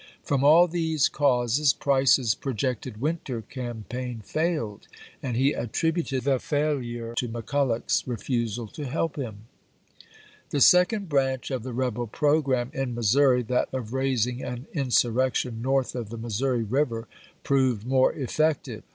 From all these viii.,'p.734. causes Price's projected winter campaign failed, Price and he attributed the failure to McCuUoch's re ,,i?ec.23' lool. W. jK. fusal to help him. ^^^M^m The second branch of the rebel programme in Missouri, that of raising an insurrection north of the Missouri River, proved more effective.